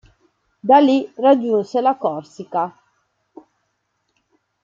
Da lì raggiunse la Corsica.